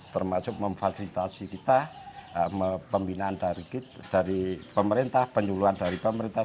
termasuk memfasilitasi kita pembinaan dari pemerintah penyuluhan dari pemerintah